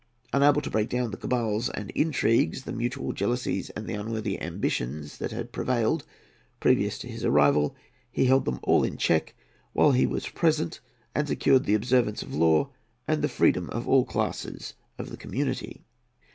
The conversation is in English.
Unable to break down the cabals and intrigues, the mutual jealousies and the unworthy ambitions that had prevailed previous to his arrival, he held them all in check while he was present and secured the observance of law and the freedom of all classes of the community.